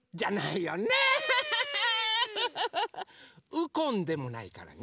「ウコン」でもないからね。